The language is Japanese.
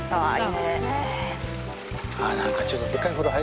はい。